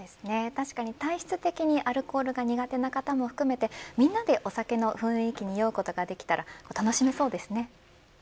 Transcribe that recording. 確かに体質的にアルコールが苦手な方も含めてみんなでお酒の雰囲気に酔うことができたら楽しめそうですね。